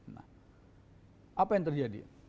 nah apa yang terjadi